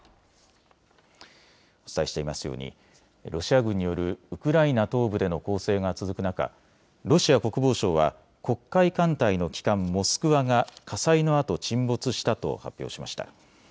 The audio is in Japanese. お伝えしていますようにロシア軍によるウクライナ東部での攻勢が続く中、ロシア国防省は黒海艦隊の旗艦、モスクワが火災のあと沈没したと発表しました。